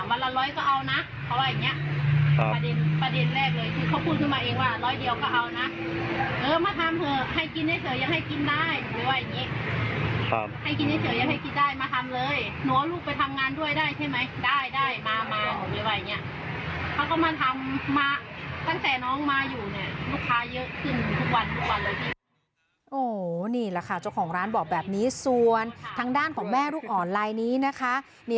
มาทำเถอะให้กินให้เฉยยังให้กินได้หรือว่าอย่างนี้